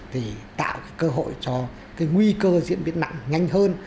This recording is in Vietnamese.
thì tạo cái cơ hội cho cái nguy cơ diễn biến nặng nhanh hơn